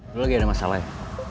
dulu lagi ada masalah ya